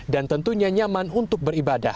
dan tentunya nyaman untuk beribadah